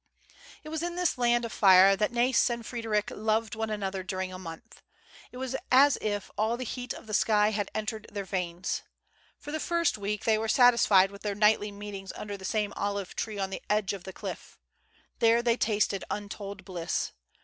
It was in this land of fire that Nais andFred^^ric loved one another during a month. It was as if all the heat of the sky had entered their veins. For the first week they were satisfied with their nightly meetings under the same olive tree on the edge of the cliff. There they DISCOVERED. 129 tasted untold bliss.